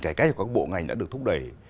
cải cách của các bộ ngành đã được thúc đẩy